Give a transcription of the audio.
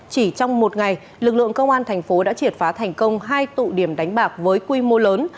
chỉ trong một ngày lực lượng công an tp long xuyên đã triệt phá thành công hai tụ điểm đánh bạc với quy mô lớn